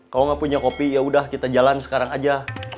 kalo gak punya kopi yaudah kita jalan sekarang aja